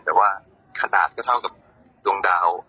แต่ว่าขนาดก็เท่ากับดวงดาว